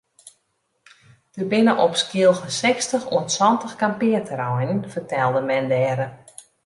Der binne op Skylge sechstich oant santich kampearterreinen fertelde men dêre.